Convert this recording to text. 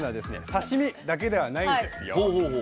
刺身だけではないんですよ。